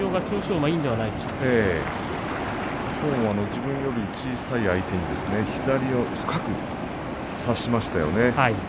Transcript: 馬、いいんじゃないできょうは自分より小さい相手に左を深く差しましたよね。